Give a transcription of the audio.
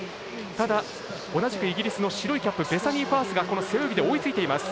ただ、同じくイギリスの白いキャップベサニー・ファースが背泳ぎで追いついています。